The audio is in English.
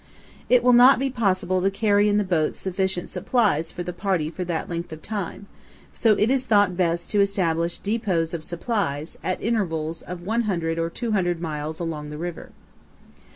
It will not be possible to carry in the boats sufficient supplies for the party for that length of time; so it is thought best to establish depots of supplies, at intervals of 100 or 200 miles along the river.